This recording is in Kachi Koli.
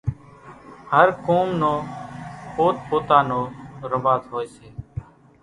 هر قوم نو پوت پوتا نو رواز هوئيَ سي۔